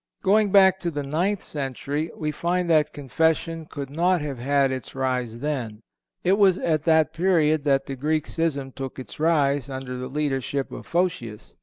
Going back to the ninth century we find that Confession could not have had its rise then. It was at that period that the Greek schism took its rise, under the leadership of Photius.